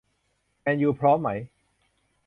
แมนยู พร้อมไหม